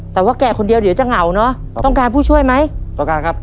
แต่ว่าแก่คนเดียวเดี๋ยวจะเหงาเนอะต้องการผู้ช่วยไหมต้องการครับ